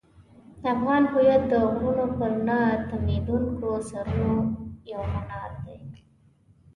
افغان هویت د غرونو پر نه تمېدونکو سرونو یو منار دی.